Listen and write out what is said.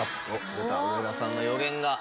上田さんの予言が。